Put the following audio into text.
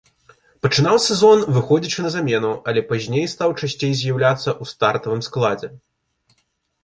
Пачынаў сезон, выходзячы на замену, але пазней стаў часцей з'яўляцца ў стартавым складзе.